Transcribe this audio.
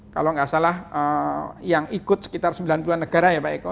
kalau nggak salah yang ikut sekitar sembilan puluh an negara ya pak eko